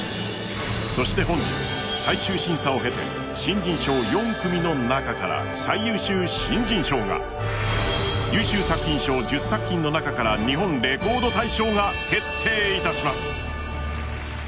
そして本日、最終偏差を経て新人賞４組の中から最優秀新人賞が優秀作品賞１０作品の中から日本レコード大賞が決定します。